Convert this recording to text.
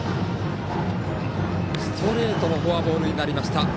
ストレートのフォアボールになりました。